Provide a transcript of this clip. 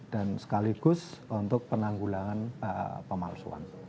dan sekaligus untuk penanggulangan pemalsuan